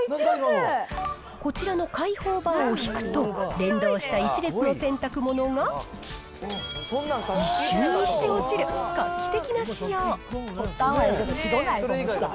こちらの解放バーを引くと、連動した一列の洗濯物が、一瞬にして落ちる、画期的な仕様。